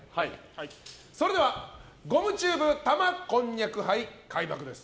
それではゴムチューブ玉こんにゃく杯開幕です。